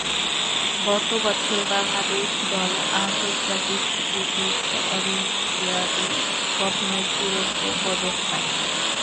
গত বছর বাংলাদেশ দল আন্তর্জাতিক ফিজিকস অলিম্পিয়াডে প্রথম একটি রৌপ্য পদক পায়।